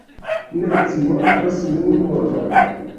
Ne, ci mortos nur morgaŭ.